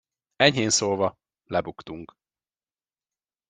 Enyhén szólva, lebuktunk.